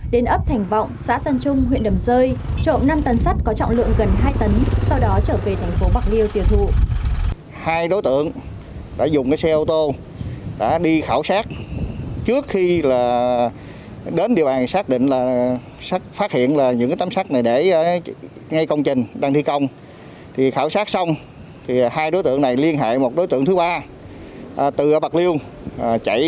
đến ấp thành vọng xã tân trung huyện đầm rơi trộm năm tấn sắt có trọng lượng gần hai tấn sau đó trở về thành phố bạc liêu tiêu thụ